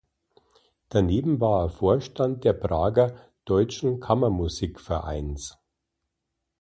Daneben war er Vorstand der Prager "Deutschen Kammermusik-Vereins".